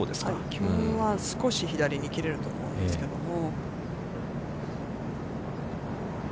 きょうは少し左に切れると思うんですけども。